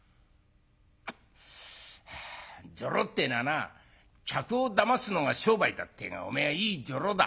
「女郎ってえのはな客をだますのが商売だってえがおめえはいい女郎だ。